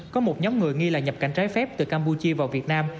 có một nhóm người nghi là nhập cảnh trái phép từ campuchia vào việt nam